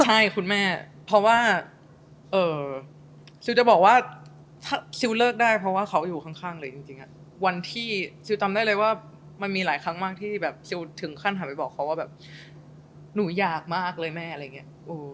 ใช่คุณแม่เพราะว่าซิลจะบอกว่าถ้าซิลเลิกได้เพราะว่าเขาอยู่ข้างเลยจริงวันที่ซิลจำได้เลยว่ามันมีหลายครั้งมากที่แบบซิลถึงขั้นหันไปบอกเขาว่าแบบหนูอยากมากเลยแม่อะไรอย่างนี้